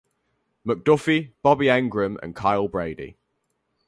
McDuffie, Bobby Engram and Kyle Brady.